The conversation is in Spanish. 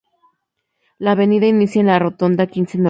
La avenida inicia en la rotonda Quince Norte.